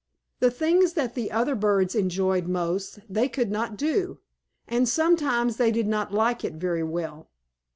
The things that the other birds enjoyed most, they could not do, and sometimes they did not like it very well.